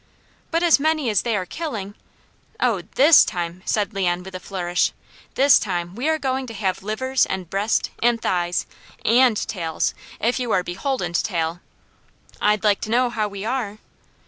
"But as many as they are killing " "Oh THIS time," said Leon with a flourish, "this time we are going to have livers, and breast, and thighs, AND tails, if you are beholden to tail." "I'd like to know how we are?"